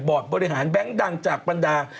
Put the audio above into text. บอร์ดบริหารแบงค์ดังจากปัญดา